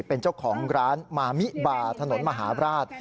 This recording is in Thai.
เป็นเจ้าของร้านมามิบาถนนมหาบราช